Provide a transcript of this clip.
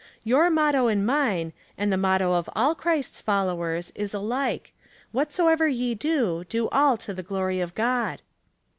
Your motto and mine, and the motto of all Christ's followers, is alike, ' Whatsoever ye do, do all to the glory of God.'